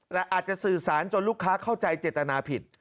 แต่อาจจะสื่อสารจนลูกค้าเข้าใจเจตนาผิด